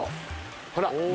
ほら。